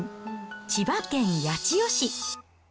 千葉県八千代市。